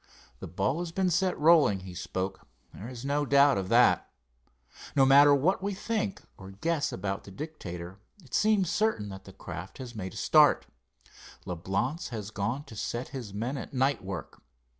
"The ball has been set rolling," he spoke, "there is no doubt of that. No matter what we think or guess about the Dictator, it seems certain that the craft has made a start. Leblance has gone to set his men at night work.